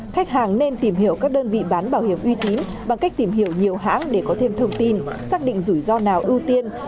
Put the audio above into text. khách hàng nên tìm hiểu các đơn vị bán bảo hiểm uy tín bằng cách tìm hiểu nhiều hãng để có thêm thông tin xác định rủi ro nào ưu tiên